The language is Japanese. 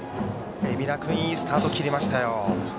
海老根君いいスタート切りましたよ。